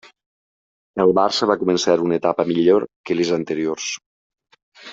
El Barça va començar una etapa millor que les anteriors.